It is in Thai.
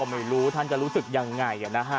ไม่รู้ท่านจะรู้สึกยังไงนะฮะ